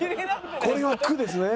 これは区ですね。